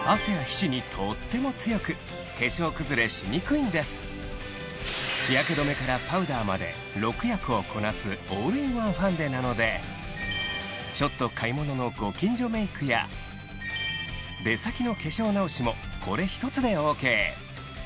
そこで日焼け止めからパウダーまで６役をこなすオールインワンファンデなのでちょっと買い物のご近所メイクや出先の化粧直しもこれ１つでＯＫ